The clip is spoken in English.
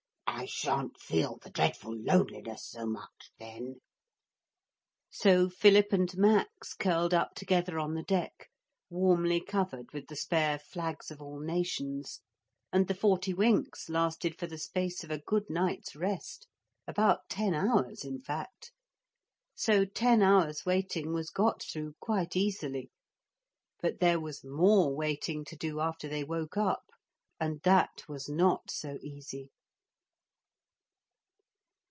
'I shan't feel the dreadful loneliness so much then.' So Philip and Max curled up together on the deck, warmly covered with the spare flags of all nations, and the forty winks lasted for the space of a good night's rest about ten hours, in fact. So ten hours' waiting was got through quite easily. But there was more waiting to do after they woke up, and that was not so easy.